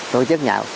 tổ chức nhạo